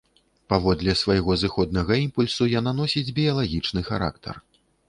Паводле свайго зыходнага імпульсу яна носіць біялагічны характар.